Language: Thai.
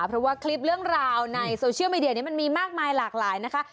เพราะว่าคลิปเรื่องราวในโซเชียลมีเดียนี้มันมีมากมายหลากหลายนะคะ